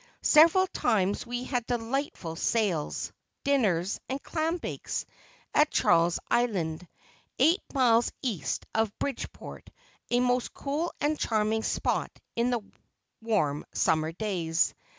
Several times we had delightful sails, dinners, and clam bakes at Charles Island, eight miles east of Bridgeport, a most cool and charming spot in the warm summer days.